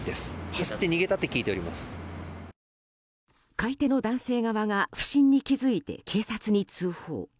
買い手の男性側が不審に気づいて警察に通報。